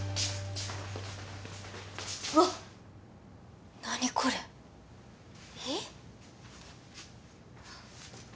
わっ何これえっ？